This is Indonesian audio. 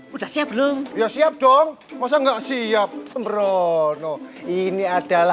hai udah siap belum ya siap dong masa enggak siap sembrono ini adalah